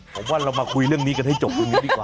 ผมว่าเรามาคุยเรื่องนี้กันให้จบตรงนี้ดีกว่า